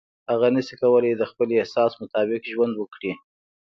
هغه نشي کولای د خپل احساس مطابق ژوند وکړي.